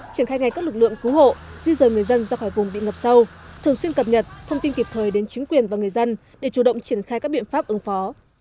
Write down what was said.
triển khai ngay các lực lượng cứu hộ di dời người dân ra khỏi vùng bị ngập sâu thường xuyên cập nhật thông tin kịp thời đến chính quyền và người dân để chủ động triển khai các biện pháp ứng phó